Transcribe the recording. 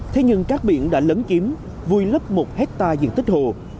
thế nhưng các biển đã lấn chiếm vùi lấp một hectare diện tích hồ